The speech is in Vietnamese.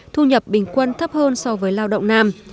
thu nhập bình quân thấp hơn so với lao động nam